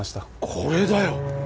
これだよ！